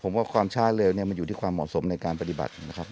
ผมว่าความช้าเร็วเนี่ยมันอยู่ที่ความเหมาะสมในการปฏิบัตินะครับ